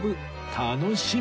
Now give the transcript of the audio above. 楽しみ